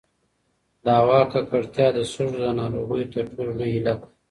د هوا ککړتیا د سږو د ناروغیو تر ټولو لوی علت دی.